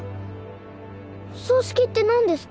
お葬式ってなんですか？